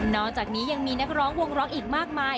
อกจากนี้ยังมีนักร้องวงร้องอีกมากมาย